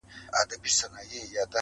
مور بې حاله کيږي ناڅاپه